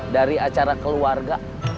dari acara keluarga